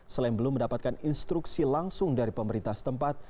selain belum mendapatkan instruksi langsung dari pemerintah setempat